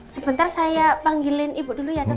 sebentar saya panggilin ibu dulu ya dok